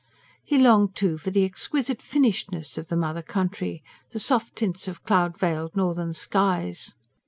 He longed, too, for the exquisite finishedness of the mother country, the soft tints of cloud veiled northern skies.